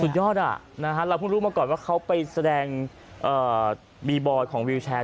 ยอดเราเพิ่งรู้มาก่อนว่าเขาไปแสดงบีบอยของวิวแชร์